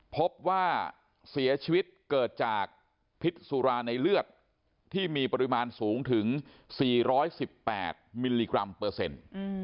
พบว่าเสียชีวิตเกิดจากพิษสุราในเลือดที่มีปริมาณสูงถึง๔๑๘มิลลิกรัมเปอร์เซ็นต์